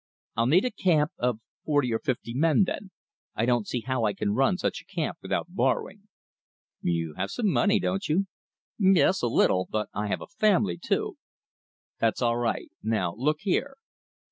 "I'd need a camp of forty or fifty men then. I don't see how I can run such a camp without borrowing." "You have some money, haven't you?" "Yes; a little. But I have a family, too." "That's all right. Now look here."